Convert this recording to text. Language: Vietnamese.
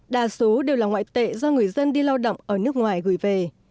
đa số đều là ngoại tệ do người dân đi lao động ở nước ngoài gửi về